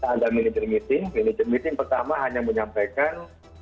ada meeting meeting pertama hanya menyampaikan